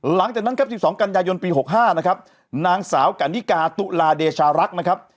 หลังจากนั้นครับ๑๒กันยายนปี๖๕นะครับนางสาวกันนิกาตุลาเดชารักษ์นะครับ